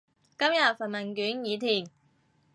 今日份問卷已填